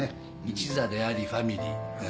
一座であり、ファミリー。